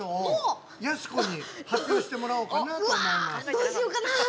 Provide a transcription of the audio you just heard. ◆どうしようかな。